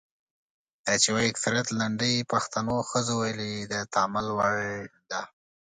دا چې وايي اکثریت لنډۍ پښتنو ښځو ویلي د تامل وړ ده.